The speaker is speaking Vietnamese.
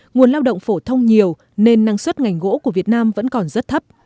nguồn lao động phổ thông nhiều nên năng suất ngành gỗ của việt nam vẫn còn rất thấp